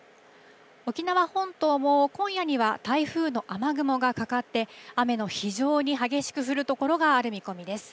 沖縄本島も、今夜には台風の雨雲がかかって、雨の非常に激しく降る所がある見込みです。